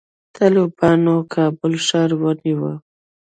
طالبانو کابل ښار ونیو